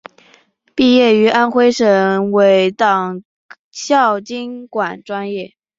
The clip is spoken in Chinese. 毕业于安徽省委党校经管专业。